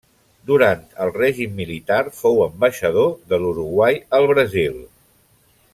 Durant el règim militar, fou ambaixador de l'Uruguai al Brasil.